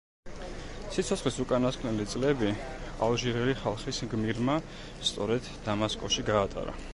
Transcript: სიცოცხლის უკანასკნელი წლები ალჟირელი ხალხის გმირმა, სწორედ დამასკოში გაატარა.